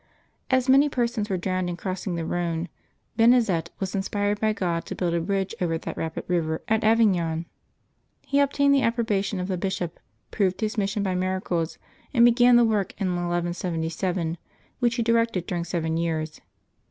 As many persons were drowned in crossing the Rhone, Benezet was inspired by God to build a bridge over that rapid river at Avignon. He obtained the approbation of the bishop, proved his mission by miracles, and began the work in 1177, which he directed during seven years.